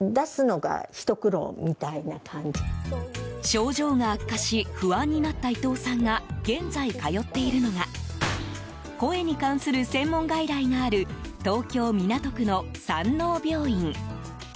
症状が悪化し不安になった伊藤さんが現在、通っているのが声に関する専門外来がある東京・港区の山王病院。